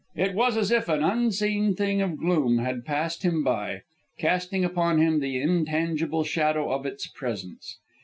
It was as if an unseen thing of gloom had passed him by, casting upon him the intangible shadow of its presence.